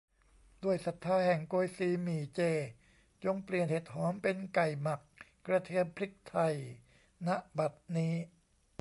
ด้วยศรัทธาแห่งโกยซีหมี่เจ จงเปลี่ยนเห็ดหอมเป็นไก่หมักกระเทียมพริกไทย ณ บัดนี้